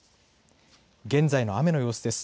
現在の雨の様子です。